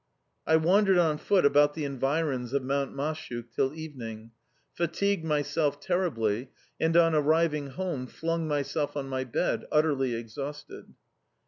I wandered on foot about the environs of Mount Mashuk till evening, fatigued myself terribly and, on arriving home, flung myself on my bed, utterly exhausted.